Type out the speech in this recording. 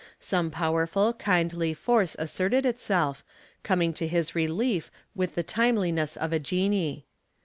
Some powerful, kindly force asserted itself, coming to his relief with the timeliness of a genii.